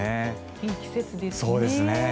いい季節ですね。